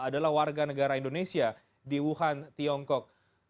adalah warga negara indonesia di wuhan tiongkok